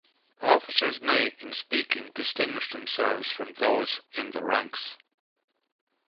Officers may, in speaking, distinguish themselves from those "in the ranks".